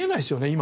今。